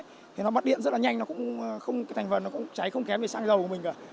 thì nó mất điện rất là nhanh nó cũng thành phần nó cũng cháy không kém về xăng dầu của mình cả